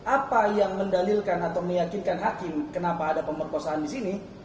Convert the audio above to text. apa yang mendalilkan atau meyakinkan hakim kenapa ada pemerkosaan di sini